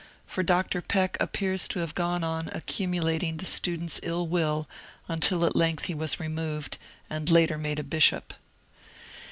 For Dr. Peck appears to have gone on accumulating the students' ill will until at length he was removed, and later made a bishop.